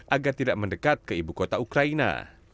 agar tidak mendekat ke ibu kota ukraina